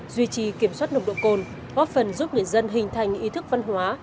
duy trì kiểm soát nồng độ cồn góp phần giúp người dân hình thành ý thức văn hóa